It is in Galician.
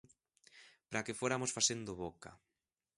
Para que foramos facendo boca.